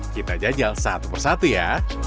kita jajal satu persatu ya